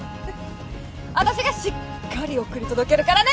私がしっかり送り届けるからね！